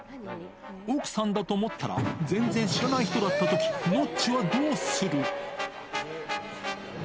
奥さんだと思ったら、全然知らない人だったとき、ノッチはどうする？